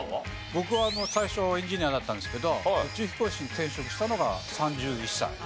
僕は最初エンジニアになったんですけど宇宙飛行士に転職したのが３１歳。